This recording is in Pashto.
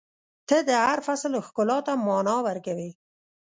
• ته د هر فصل ښکلا ته معنا ورکوې.